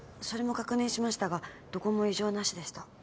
それも確認しましたがどこも異常なしでした。